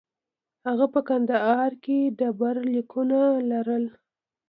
هغه په کندهار کې ډبرلیکونه لرل